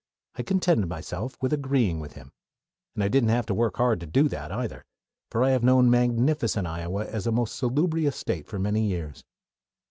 I contented myself with agreeing with him. And I didn't have to work hard to do that, either; for I have known magnificent Iowa as a most salubrious State for many years.